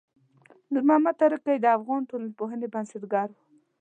نورمحمد ترکی د افغان ټولنپوهنې بنسټګر و.